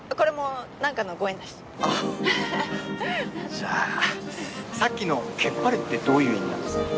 じゃあさっきのけっぱれってどういう意味なんですか？